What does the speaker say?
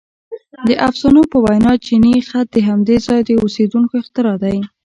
• د افسانو په وینا چیني خط د همدې ځای د اوسېدونکو اختراع دی.